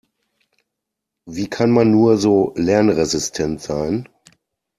Wie kann man nur so lernresistent sein?